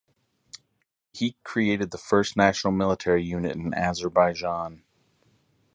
He created the first national military unit in Azerbaijan.